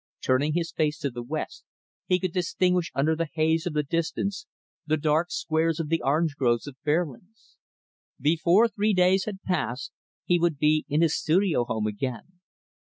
Turning his face to the west, he could distinguish under the haze of the distance the dark squares of the orange groves of Fairlands. Before three days had passed he would be in his studio home again.